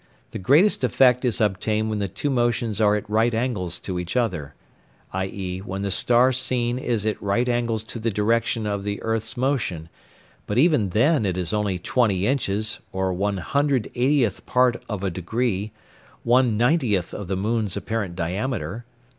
The greatest effect is obtained when the two motions are at right angles to each other, i.e. when the star seen is at right angles to the direction of the earth's motion, but even then it is only 20", or 1/180th part of a degree; one ninetieth of the moon's apparent diameter.